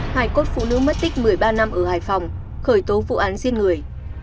hải cốt phụ nữ mất tích một mươi ba năm ở hải phòng khởi tố vụ án giết người